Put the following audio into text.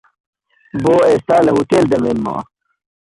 بۆ ئێستا لە هۆتێل دەمێنمەوە.